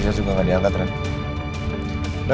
sampai jumpa di video selanjutnya